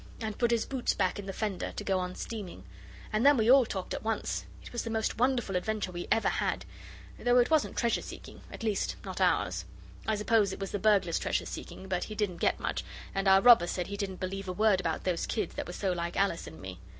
and put his boots back in the fender to go on steaming, and then we all talked at once. It was the most wonderful adventure we ever had, though it wasn't treasure seeking at least not ours. I suppose it was the burglar's treasure seeking, but he didn't get much and our robber said he didn't believe a word about those kids that were so like Alice and me.